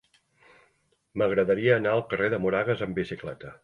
M'agradaria anar al carrer de Moragas amb bicicleta.